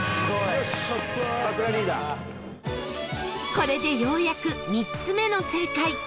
これで、ようやく３つ目の正解